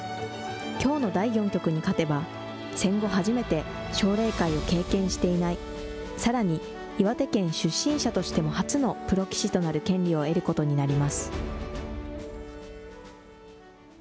きょうの第４局に勝てば、戦後初めて、奨励会を経験していない、さらに、岩手県出身者としても初のプロ棋士となる権利を得ることになりま